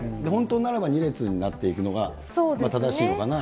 本当なら２列になったほうが正しいのかな？